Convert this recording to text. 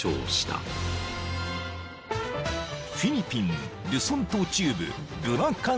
［フィリピンルソン島中部ブラカン州］